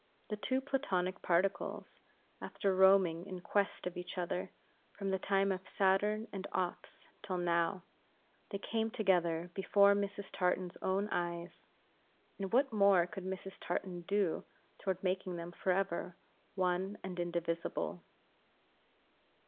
The two Platonic particles, after roaming in quest of each other, from the time of Saturn and Ops till now; they came together before Mrs. Tartan's own eyes; and what more could Mrs. Tartan do toward making them forever one and indivisible?